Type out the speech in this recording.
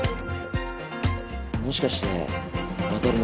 もしかして渉の？